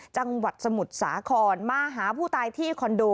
จังหวัดสมุทรสาครมาหาผู้ตายที่คอนโด